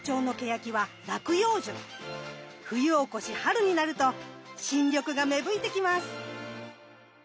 冬を越し春になると新緑が芽吹いてきます。